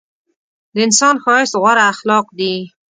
د انسان ښایست غوره اخلاق دي.